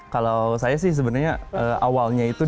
kalau saya sih sebenarnya awalnya itu